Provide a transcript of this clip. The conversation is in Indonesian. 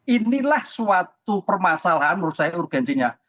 inilah suatu permasalahan menurut saya urgensinya